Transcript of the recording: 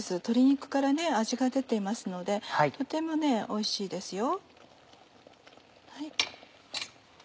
鶏肉から味が出ていますのでとてもおいしいですよ。